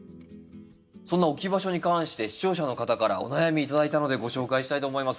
そんな置き場所に関して視聴者の方からお悩み頂いたのでご紹介したいと思います。